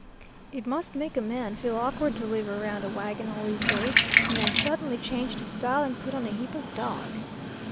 It must make a man feel awkward to live around a wagon all his days, and then suddenly change to style and put on a heap of dog.